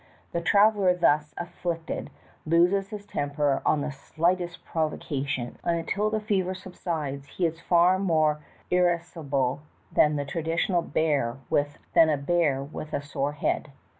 The traveler thus afilicted loses his temper on the slightest prov ocation, and until the fever subsides he is far more irascible than the traditional "bear with a sore head."